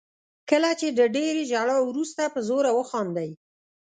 کله چې د ډېرې ژړا وروسته په زوره وخاندئ.